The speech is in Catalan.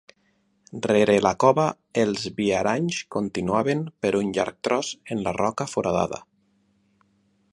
Rere la cova els viaranys continuaven per un llarg tros en la roca foradada.